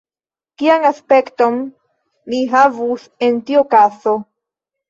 Kian aspekton mi havus en tiu okazo?